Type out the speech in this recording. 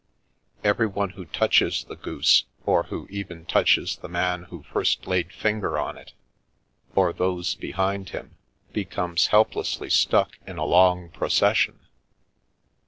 Everyone who touches the goose, or ' even touches the man who first laid finger on it those behind him, becomes helplessly stuck in a 1 procession.